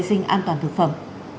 cho trẻ sống tốt hơn